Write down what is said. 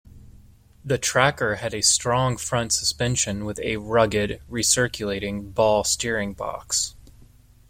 The Tracker had a strong front suspension with a rugged recirculating ball steering box.